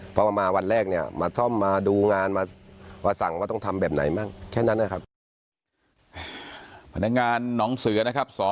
เพราะว่ามาวันแรกเนี่ยมาซ่อมมาดูงานมาสั่งว่าต้องทำแบบไหนบ้างแค่นั้นนะครับ